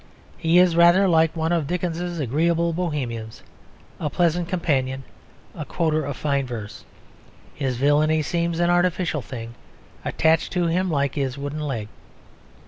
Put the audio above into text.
He is rather like one of Dickens's agreeable Bohemians, a pleasant companion, a quoter of fine verses. His villainy seems an artificial thing attached to him, like his wooden leg.